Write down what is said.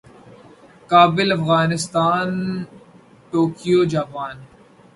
Kabul Afghanistan Tokyo Japan